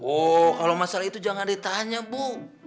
oh kalau masalah itu jangan ditanya bu